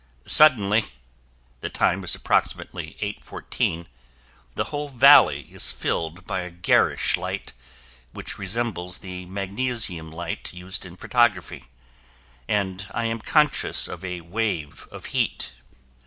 Suddenly the time is approximately 8:14 the whole valley is filled by a garish light which resembles the magnesium light used in photography, and I am conscious of a wave of heat.